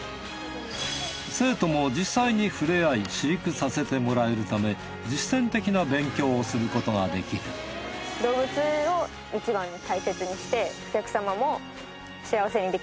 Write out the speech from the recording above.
生徒も実際に触れ合い飼育させてもらえるため実践的な勉強をすることができる動物をいちばんに大切にして。